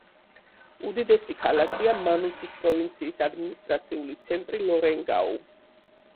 უდიდესი ქალაქია მანუსის პროვინციის ადმინისტრაციული ცენტრი ლორენგაუ.